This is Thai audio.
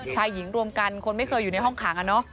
ชายหญิงรวมกันคนไม่เคยอยู่ในห้องขัง